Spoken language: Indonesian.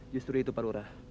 justru itu pak bulura